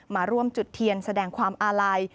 มาร่วมจุดเทียนแสดงความอาลัย